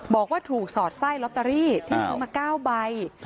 บอกว่าถูกสอดไส้ลอตเตอรี่ที่ซื้อมา๙ใบ